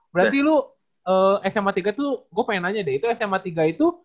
berarti lu sma tiga tuh gue pengen nanya deh itu sma tiga itu